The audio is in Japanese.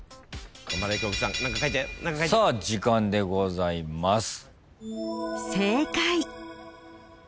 さあ時間でございます。